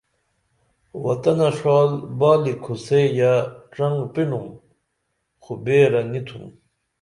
وطنہ ݜا بالی کُھوسئی یہ ڇنگ پرینُم خو بیرہ نی تُھم